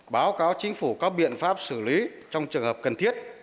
báo cáo chính phủ các biện pháp xử lý trong trường hợp cần thiết